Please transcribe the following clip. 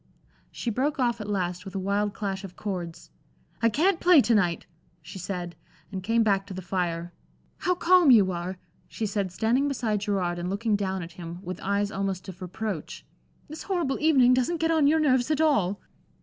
She broke off at last, with a wild clash of chords. "I can't play to night," she said, and came back to the fire. "How calm you are!" she said, standing beside Gerard and looking down at him with eyes almost of reproach. "This horrible evening doesn't get on your nerves at all."